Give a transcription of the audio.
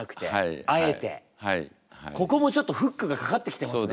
ここもちょっとフックがかかってきてますね。